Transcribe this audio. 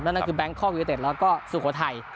นั่นก็คือแบงค์ข้อวิเวตเต็กแล้วก็สุโขทัย